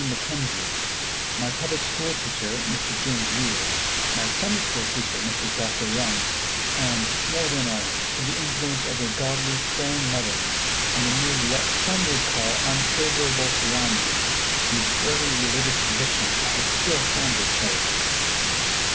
Mackenzie; my public school teacher, Mr. James Yool; my Sunday school teacher, Mr. Joshua Youngs; and, more than all, through the influence of a godly, praying mother, and amid what some would call unfavorable surroundings, these early religious convictions I still fondly cherish."